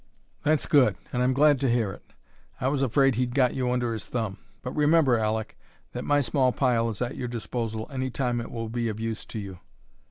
"That's good, and I'm glad to hear it. I was afraid he'd got you under his thumb. But remember, Aleck, that my small pile is at your disposal any time it will be of use to you."